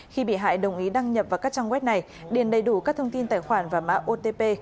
khi bị hại đồng ý đăng nhập vào các trang web này điền đầy đủ các thông tin tài khoản và mạng otp